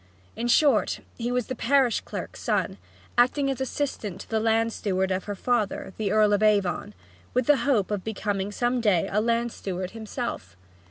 In short, he was the parish clerk's son, acting as assistant to the land steward of her father, the Earl of Avon, with the hope of becoming some day a land steward himself.